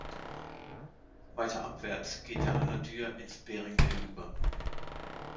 Weiter abwärts geht der Anadyr ins Beringmeer über.